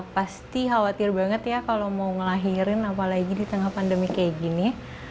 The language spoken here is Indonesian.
pasti khawatir banget ya kalau mau ngelahirin apalagi di tengah pandemi kayak gini